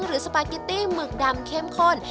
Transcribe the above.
สปาเกตตี้หมึกดำเข้มข้น